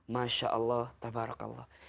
masya allah tabarakallah